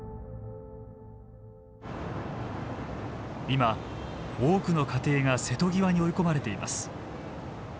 今多くの家庭が瀬戸際に追い込まれています。